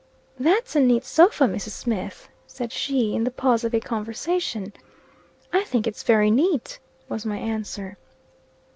"That's a neat sofa, Mrs. Smith," said she, in the pause of a conversation. "I think it very neat," was my answer.